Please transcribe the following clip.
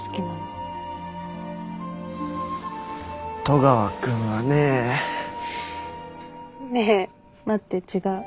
戸川君はね。ねえ待って違う。